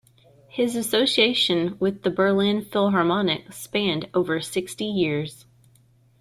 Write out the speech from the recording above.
His association with the Berlin Philharmonic spanned over sixty years.